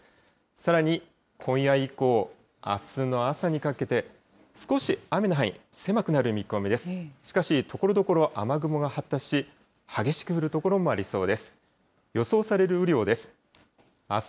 さらに今夜以降、あすの朝にかけて、少し雨の範囲、狭くなる見込みです。